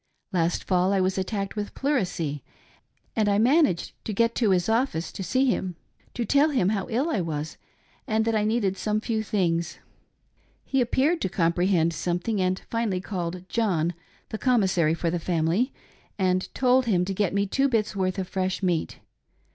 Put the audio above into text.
Last fall I was attacked with pleurisy^ and I managed to get t^ his office to see him to tell him how ill I was and that I needed some few things; He appeared to comprehend something and finally called " John," the commis sary for the family, and told him to get me two bits worth of fresh meat.